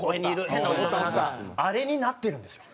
あれになってるんですよ。